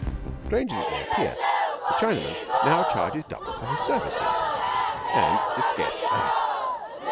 Strange as it may appear, the Chinaman now charges double for his services, and is scarce at that.